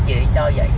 chị cho vậy